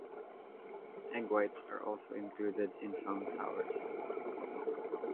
Egg whites are also included in some sours.